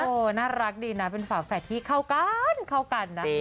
น่ารักดีนะเป็นฝาแฝดที่เข้ากันเข้ากันนะ